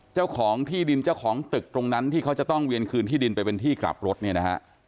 เจ้าของที่ดินเจ้าของตึกตรงนั้นที่เขาจะต้องเวียนคืนที่ดินไปเป็นที่กลับรถเนี่ยนะฮะ